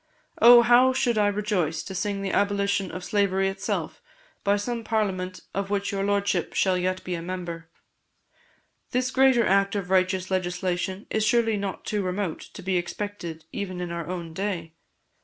Oh, how should I rejoice to sing the abolition of slavery itself by some Parliament of which your Lordship shall yet be a member! This greater act of righteous legislation is surely not too remote to be expected even in our own day.